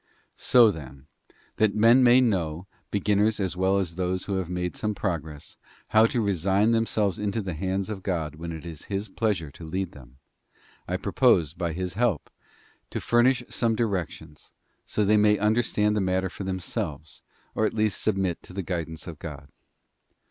So, then — that men may know, beginners as well as those who have made some progress, how to resign themselves into the hands of God when it is His pleasure to lead them — I purpose, by His help, to furnish some directions, so that they may understand the matter for themselves, or at least submit to the guidance of God.